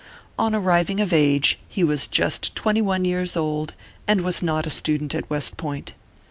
On arriving of age, he was just twenty one years old, and was not a student at West Point.